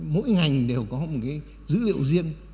mỗi ngành đều có một cái dữ liệu riêng